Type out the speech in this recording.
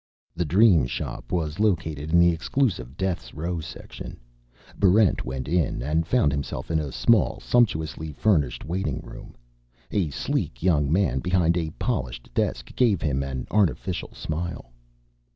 The Dream Shop was located in the exclusive Death's Row section. Barrent went in, and found himself in a small, sumptuously furnished waiting room. A sleek young man behind a polished desk gave him an artificial smile.